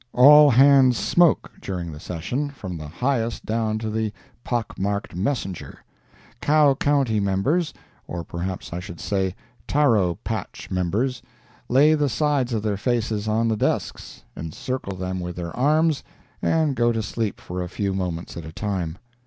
All hands smoke during the session, from the highest down to the pock marked messenger. Cow county members—or perhaps I should say taro patch members—lay the sides of their faces on the desks, encircle them with their arms and go to sleep for a few moments at a time.